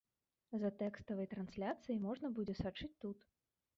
За тэкставай трансляцыяй можна будзе сачыць тут.